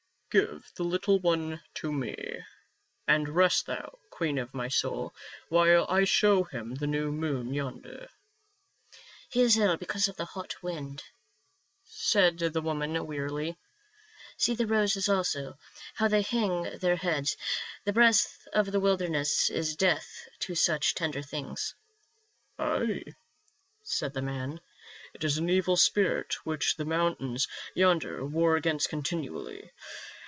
"/^ IVE the little one to me, and rest thou, queen of V_X my soul, while I show him the new moon yonder." *' He is ill because of the hot wind," said the woman wearily. " See the roses also, how they hang their heads ; the breath of the wilderness is death to such tender things." "Ay," said the man, "it is an evil spirit which the mountains yonder war against continually.